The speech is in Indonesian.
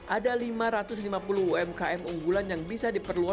ada lima ratus lima puluh umkm unggulan yang bisa diperlukan